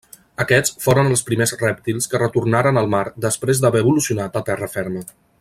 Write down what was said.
Aquests foren els primers rèptils que retornaren al mar després d'haver evolucionat a terra ferma.